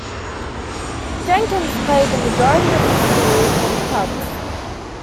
Jenkins played the majority of his career for the Cubs.